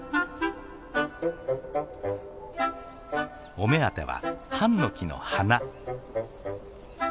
お目当てはハンノキの花。